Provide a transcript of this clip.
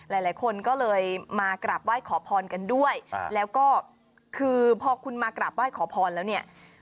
หลายคนก็เลยมากราบไหว้ขอพรกันด้วยแล้วก็คือพอคุณมากราบไหว้ขอพรแล้วเนี่ย